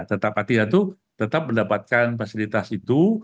tetap artinya itu tetap mendapatkan fasilitas itu